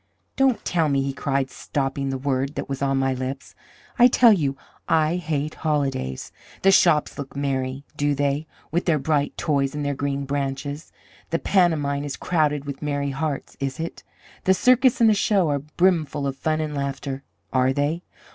"Don't tell me," he cried, stopping the word that was on my lips; "I tell you, I hate holidays. The shops look merry, do they, with their bright toys and their green branches? The pantomime is crowded with merry hearts, is it? The circus and the show are brimful of fun and laughter, are they?